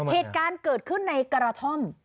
เหตุการณ์เกิดขึ้นในกระท่อม